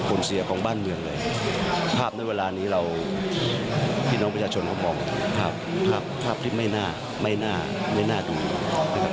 คุยกันทุกอย่างมันอีกแล้วใช่ไหมครับ